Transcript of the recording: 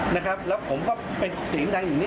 นะครับแล้วผมก็เป็นเสียงดังอย่างนี้